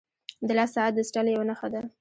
• د لاس ساعت د سټایل یوه نښه ده.